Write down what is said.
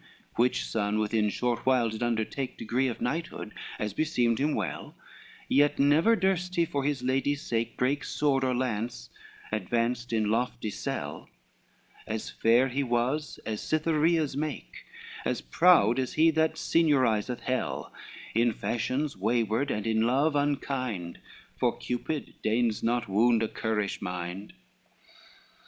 XLVI "Which son, within short while, did undertake Degree of knighthood, as beseemed him well, Yet never durst he for his lady's sake Break sword or lance, advance in lofty sell; As fair he was, as Citherea's make, As proud as he that signoriseth hell, In fashions wayward, and in love unkind, For Cupid deigns not wound a currish mind.